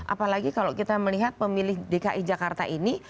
apalagi kalau kita melihat pemilih dki jakarta ini